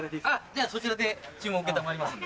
じゃあそちらで注文承りますんで。